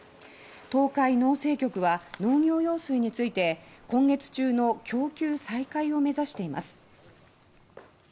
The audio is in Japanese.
東海農政局は農業用水について今月中の供給再開を目指しています。